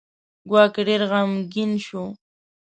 ګواکې ډېر غمګین شو.